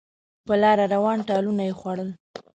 په لاره روان ټالونه یې خوړل